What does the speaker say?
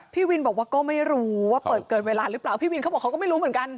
พี่วินบอกว่าก็ไม่รู้ว่าเปิดเกินเวลาหรือเปล่าพี่วินเขาบอกเขาก็ไม่รู้เหมือนกัน